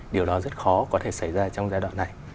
điều đó rất khó có thể xảy ra trong giai đoạn này